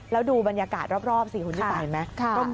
แล้วดูบรรยากาศรอบสี่หุ่นที่ตายไหม